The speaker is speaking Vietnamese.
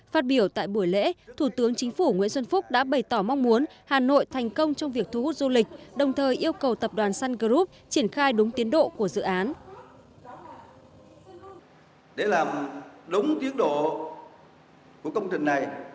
phát biểu tại buổi lễ thủ tướng chính phủ nguyễn xuân phúc đã bày tỏ mong muốn hà nội thành công trong việc thu hút du lịch đồng thời yêu cầu tập đoàn sun group triển khai đúng tiến độ của dự án